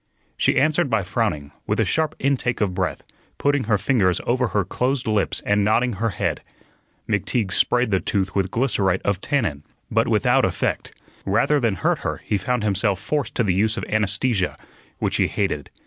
She answered by frowning, with a sharp intake of breath, putting her fingers over her closed lips and nodding her head. McTeague sprayed the tooth with glycerite of tannin, but without effect. Rather than hurt her he found himself forced to the use of anaesthesia, which he hated.